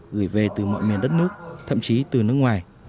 gửi về từ mọi miền đất nước thậm chí từ nước ngoài